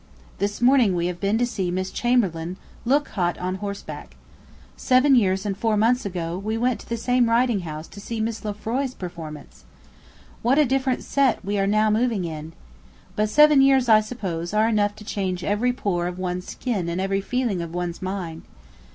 This morning we have been to see Miss Chamberlaine look hot on horseback. Seven years and four months ago we went to the same riding house to see Miss Lefroy's performance! {75a} What a different set are we now moving in! But seven years, I suppose, are enough to change every pore of one's skin and every feeling of one's mind.